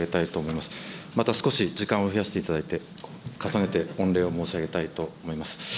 また少し時間を増やしていただいて、重ねて御礼を申し上げたいと思います。